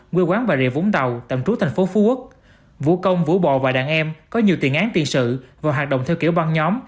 quê quán bà rịa vũng tàu tạm trú thành phố phú quốc vũ công vũ bò và đàn em có nhiều tiền án tiền sự và hoạt động theo kiểu băng nhóm